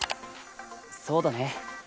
そうだね。